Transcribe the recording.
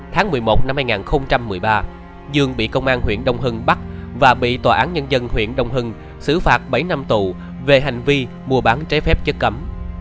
tháng một mươi một năm hai nghìn một mươi ba dương bị công an huyện đông hưng bắt và bị tòa án nhân dân huyện đông hưng xử phạt bảy năm tù về hành vi mua bán trái phép chất cấm